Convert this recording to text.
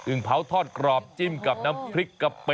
เผาทอดกรอบจิ้มกับน้ำพริกกะปิ